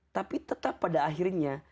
tapi tetap pada akhirnya